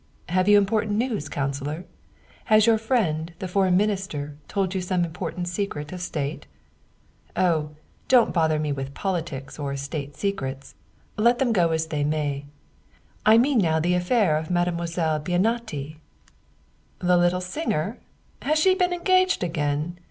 " Have you important news, councilor? Has your friend, the foreign minister, told you some important secret of state?" " Oh, don't bother me with politics or state secrets ; let them go as they may. I mean now the affair of Made moiselle Bianetti." " The little singer? Has she been engaged again?